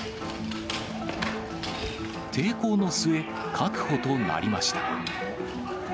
抵抗の末、確保となりました。